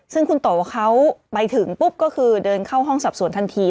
ซึ่งคุณโตเขาไปถึงปุ๊บก็คือเดินเข้าห้องสอบสวนทันที